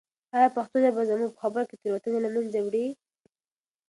آیا پښتو ژبه زموږ په خبرو کې تېروتنې له منځه وړي؟